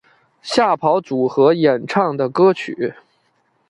吓跑组合演唱的歌曲。